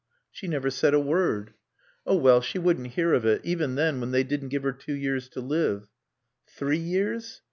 "She never said a word." "Oh, well, she wouldn't hear of it, even then when they didn't give her two years to live." Three years?